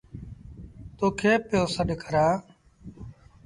تو کي پيو سڏ ڪرآݩ ۔